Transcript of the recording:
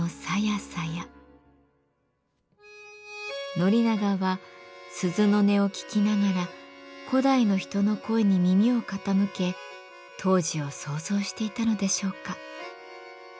宣長は鈴の音を聴きながら古代の人の声に耳を傾け当時を想像していたのでしょうか。